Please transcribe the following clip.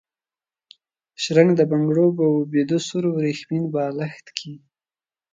شرنګ د بنګړو، به و بیده سور وریښمین بالښت کي